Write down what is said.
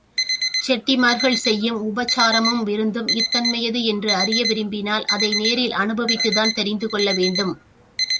செட்டிமார்கள் செய்யும் உபசாரமும் விருந்தும் இத்தன்மையது என்று அறிய விரும்பினால், அதை நேரில் அனுபவித்துத்தான் தெரிந்து கொள்ள வேண்டும்.